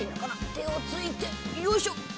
てをついてよいしょ！